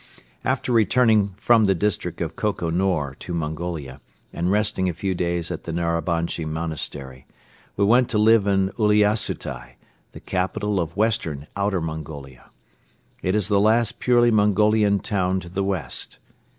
After returning from the district of Koko Nor to Mongolia and resting a few days at the Narabanchi Monastery, we went to live in Uliassutai, the capital of Western Outer Mongolia. It is the last purely Mongolian town to the west.